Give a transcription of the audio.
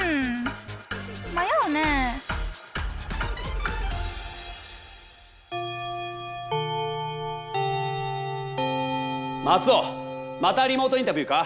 うん迷うねえマツオまたリモートインタビューか？